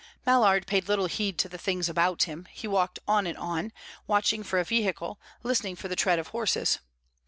Mallard paid little heed to the things about him; he walked on and on, watching for a vehicle, listening for the tread of horses.